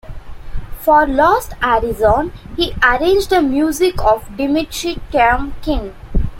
For "Lost Horizon", he arranged the music of Dimitri Tiomkin.